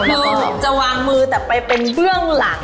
ทางนี้จะวางมือแต่ไปเป็นเรื่องหลัก